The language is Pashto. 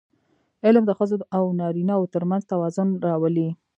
علم د ښځو او نارینهوو ترمنځ توازن راولي.